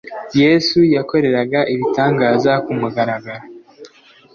Yesu yakoreraga ibitangaza ku mugaragaro,